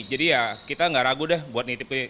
jadi ya kita gak ragu deh buat nitip ini